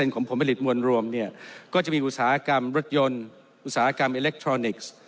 ของผลผลิตมวลรวมเนี่ยก็จะมีอุตสาหกรรมรถยนต์อุตสาหกรรมอิเล็กทรอนิกส์